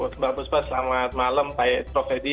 selamat malam pak prof edi